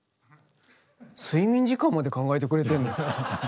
睡眠時間まで考えてくれてんの？って。